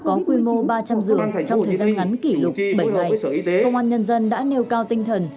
có quy mô ba trăm linh giường trong thời gian ngắn kỷ lục bảy ngày công an nhân dân đã nêu cao tinh thần